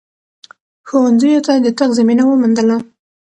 ښونځیو ته د تگ زمینه وموندله